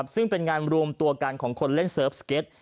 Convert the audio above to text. ซึ่งเป็นงานรวมตัวกันของคนเล่นเซิร์ฟสเก็ต